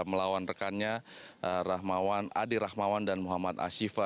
melawan rekannya adi rahmawan dan muhammad ashifa